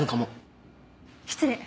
失礼。